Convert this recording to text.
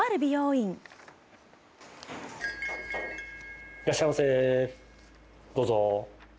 いらっしゃいませ、どうぞ。